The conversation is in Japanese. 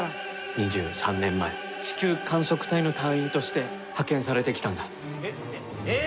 ２３年前、地球観測隊の隊員として派遣されてきたんだ。